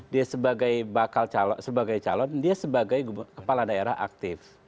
dia sebagai calon dia sebagai kepala daerah aktif